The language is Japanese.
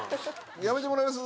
やめてもらえます？